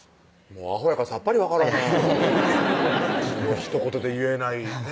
アホやからさっぱり分かれへんひと言で言えないね